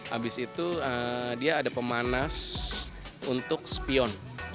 habis itu dia ada pemanas untuk spion